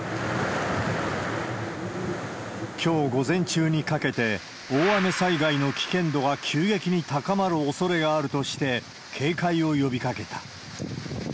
きょう午前中にかけて、大雨災害の危険度が急激に高まるおそれがあるとして、警戒を呼びかけた。